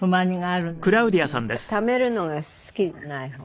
ためるのが好きじゃない方。